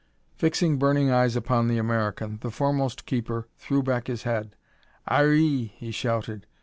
Fixing burning eyes upon the American, the foremost keeper threw back his head. "Ahre e e!" he shouted.